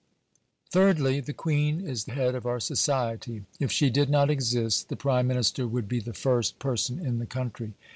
Thirdly. The Queen is the head of our society. If she did not exist the Prime Minister would be the first person in the country.